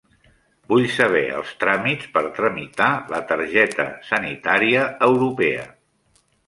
Vull saber els tràmits per tramitar la targeta sanitaria europea.